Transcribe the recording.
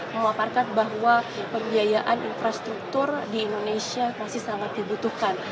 memaparkan bahwa pembiayaan infrastruktur di indonesia masih sangat dibutuhkan